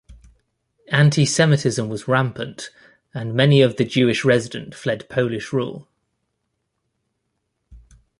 Anti-Semitism was rampant, and many of the Jewish resident fled Polish rule.